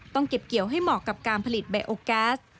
เก็บเกี่ยวให้เหมาะกับการผลิตไบโอแก๊ส